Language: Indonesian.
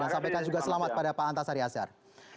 dan sampaikan juga selamat kepada pak antasari hazar